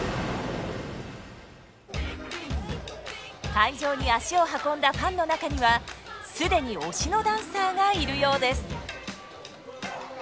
会場に足を運んだファンの中には既に推しのダンサーがいるようです。